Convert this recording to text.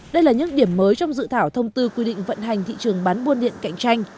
đây là những điểm mới trong dự thảo thông tư quy định vận hành thị trường bán buôn điện cạnh tranh